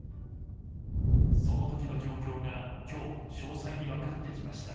その時の状況が今日、詳細に分かってきました。